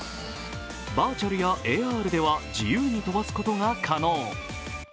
バーチャルやＡＲでは自由に飛ばすことが可能。